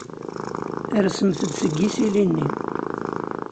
Rsemt-d seg yisili-nni.